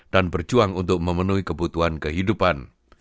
dan berjuang untuk memenuhi kebutuhan kehidupan